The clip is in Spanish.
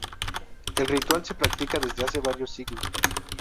El ritual se practica desde hace varios siglos.